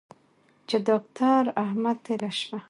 چې داکتر احمد تېره شپه